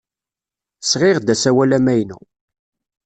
Sɣiɣ-d asawal amaynu.